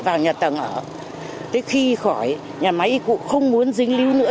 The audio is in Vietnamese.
vào nhà tầng ở tới khi khỏi nhà máy cụ không muốn dính lưu nữa